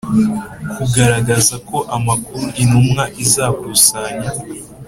Kugaragaza ko amakuru intumwa izakusanya